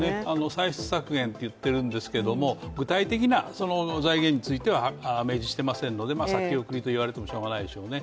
歳出削減といっているんですけど、具体的な財源については明示していませんので、先送りと言われてもしようがないでしょうね。